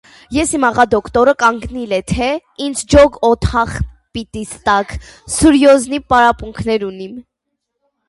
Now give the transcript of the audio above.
Էս իմ աղա դոկտորը կանգնիլ է թե՝ ինձ ջոկ օթախ պիտիս տաք, սուրյոզնի պարապունքներ ունիմ.